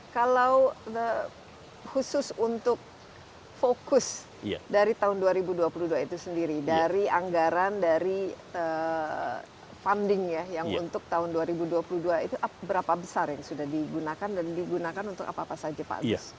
kalau khusus untuk fokus dari tahun dua ribu dua puluh dua itu sendiri dari anggaran dari funding ya yang untuk tahun dua ribu dua puluh dua itu berapa besar yang sudah digunakan dan digunakan untuk apa apa saja pak agus